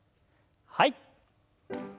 はい。